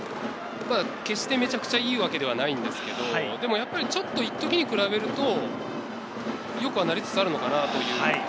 決してめちゃくちゃいいわけではないんですけど、やっぱり一時に比べると良くはなりつつあるのかなという。